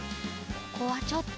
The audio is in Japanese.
ここはちょっと。